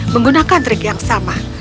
menggunakan trik yang lainnya